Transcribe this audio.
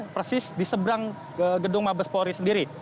persis di seberang gedung mabespori sendiri